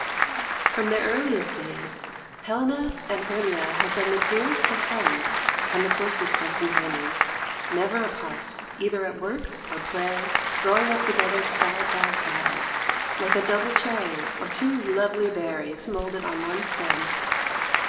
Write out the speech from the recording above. From their earliest days Helena and Hermia had been the dearest of friends and the closest of companions, never apart, either at work or play, growing up together side by side, like a double cherry, or two lovely berries moulded on one stem.